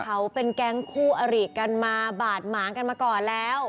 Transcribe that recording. เขาเป็นแก๊งคู่อริกันมาบาดหมางกันมาก่อนแล้ว